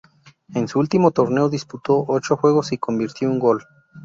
En su último torneo disputó ocho juegos y convirtió un gol.